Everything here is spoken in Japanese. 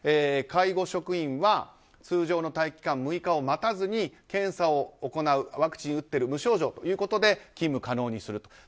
介護職員は通常の待機期間６日を待たずに検査を行うワクチンを打っている無症状ということで勤務可能にすると。